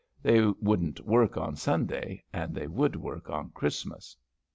They wouldn't work on Sunday, and they would work on Christmas.